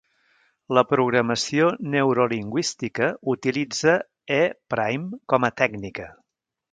La programació neurolingüística utilitza E-Prime com a tècnica.